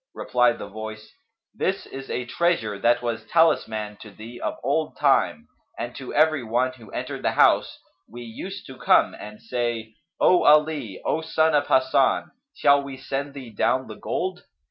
Replied the Voice, "This is a treasure that was talisman'd to thee of old time, and to every one who entered the house, we used to come and say: 'O Ali, O son of Hasan, shall we send thee down the gold?'